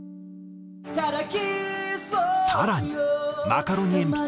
更にマカロニえんぴつ